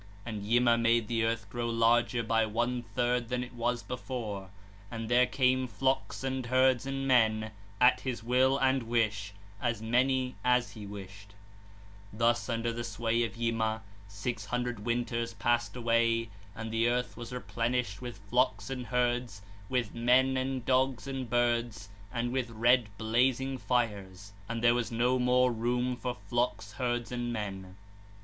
11. And Yima made the earth grow larger by one third than it was before, and there came flocks and herds and men, at his will and wish, as many as he wished 3. p. 14 12 (23). Thus, under the sway of Yima, six hundred winters passed away, and the earth was replenished with flocks and herds, with men and dogs and birds and with red blazing fires, and there was no more room for flocks, herds, and men.